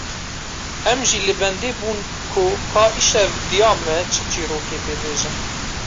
Em jî li bendê bûn ku ka îşev diya me çi çîrokê bibêje